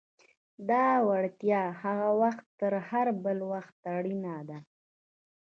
دا وړتیا هغه وخت تر هر بل وخت اړینه ده.